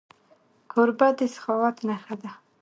کوربه د سخاوت نښه ده.